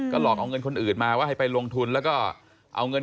หลอกเอาเงินคนอื่นมาว่าให้ไปลงทุนแล้วก็เอาเงิน